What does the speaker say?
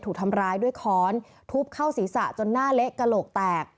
ถูกทำร้ายด้วยค้อนทุบเข้าศีรษะจนหน้าเละกระโหลกแตก